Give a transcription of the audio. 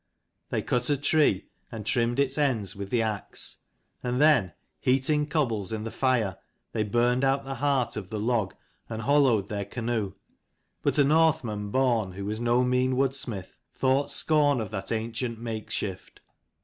They cut a tree, and trimmed its ends with the axe ; and then, heating cobbles in the fire, they burned out the heart of the log and hollowed their canoe. But a Northman born, who was no mean woodsmith, thought scorn of that ancient makeshift.